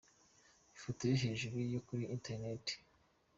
Ifoto yo hejuru ni iyo kuri Internet.